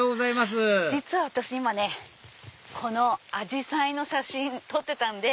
実は私今このアジサイの写真撮ってたんで。